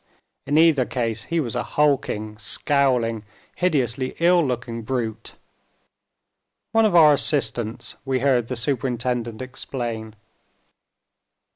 In either case he was a hulking, scowling, hideously ill looking brute. "One of our assistants," we heard the superintendent explain.